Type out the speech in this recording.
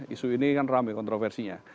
isu ini kan rame kontroversinya